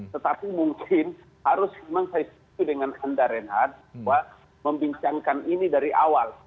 tetapi mungkin harus memang saya setuju dengan anda reinhardt bahwa membincangkan ini dari awal